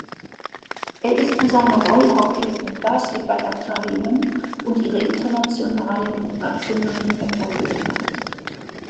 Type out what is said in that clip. Er ist für seine Rollhockey- und Basketball-Abteilungen und ihre internationalen und nationalen Erfolge bekannt.